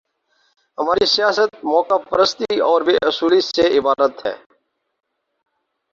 ہماری سیاست موقع پرستی اور بے اصولی سے عبارت ہے۔